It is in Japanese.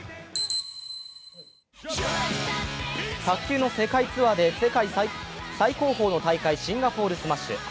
卓球の世界ツアーで世界最高峰の大会、シンガポールスマッシュ。